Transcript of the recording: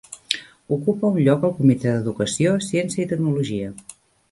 Ocupa un lloc al Comitè d'Educació, Ciència i Tecnologia.